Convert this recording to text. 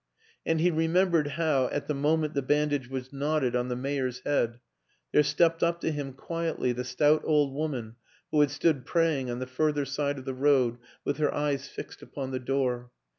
And he remembered how, at the moment the bandage was knotted on the mayor's head, there stepped up to him quietly the stout old woman who had stood praying on the further side of the road with her eyes fixed upon the door.